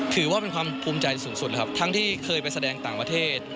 ถือว่าเป็นความภูมิใจสูงสุดนะครับทั้งที่เคยไปแสดงต่างประเทศ